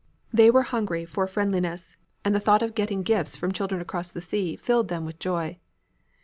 They were hungry for friendliness, and the thought of getting gifts from children across the sea filled them with joy.